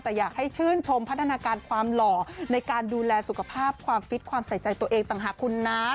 แต่อยากให้ชื่นชมพัฒนาการความหล่อในการดูแลสุขภาพความฟิตความใส่ใจตัวเองต่างหากคุณนะ